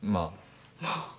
まあ。